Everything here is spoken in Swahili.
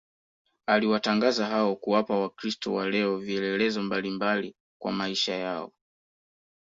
aliwatangaza hao kuwapa wakristo wa leo vielelezo mbalimbali kwa maisha yao